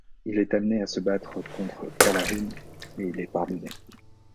Il est amené à se battre contre Qala'ûn mais il est pardonné.